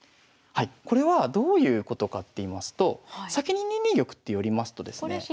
これはどういうことかって言いますと先に２二玉って寄りますとですね。